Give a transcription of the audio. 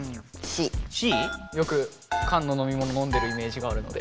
よくかんののみもののんでるイメージがあるので。